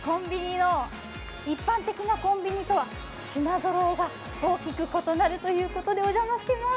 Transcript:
一般的なコンビニとは品ぞろえが大きく異なるということでお邪魔します。